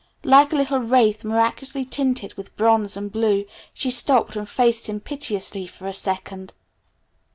Like a little wraith miraculously tinted with bronze and blue she stopped and faced him piteously for a second.